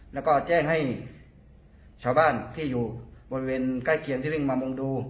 แล้วก็แจ้งให้ชาวบ้านที่อยู่บริเวณใกล้เคียงที่วิ่งมามุงดู